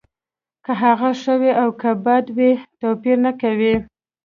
که هغه ښه وي او که بد وي توپیر نه کوي